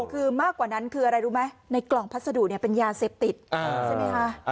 คือมากกว่านั้นคืออะไรรู้ไหมในกล่องพัสดุเป็นยาเสพติดใช่ไหมคะ